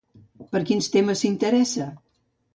Per quins temes s'interessa?